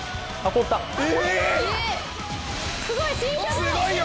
すごいよ！